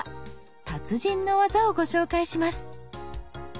達人のワザをご紹介します。